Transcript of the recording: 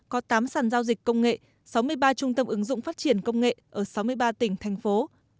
có tám sản giao dịch công nghệ sáu mươi ba trung tâm ứng dụng phát triển công nghệ ở sáu mươi ba tỉnh thành phố